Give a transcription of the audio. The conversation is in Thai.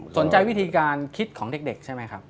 สนใจวิธีการคิดของเด็กใช่ไหมครับ